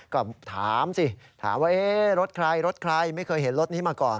ก็ถามสิถามว่ารถใครรถใครไม่เคยเห็นรถนี้มาก่อน